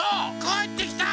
かえってきた！